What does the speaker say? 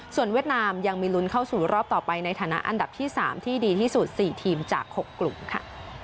ส่วนเวียดนามยังมีลุ้นเข้าสู่รอบต่อไปในฐานะอันดับที่๓ที่ดีที่สุด๔ทีมจาก๖กลุ่มค่ะ